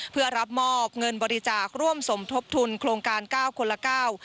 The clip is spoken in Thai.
เพื่อรับมอบเงินบริจาคร่วมสมทบทุนโครงการเก้าคนละเก้า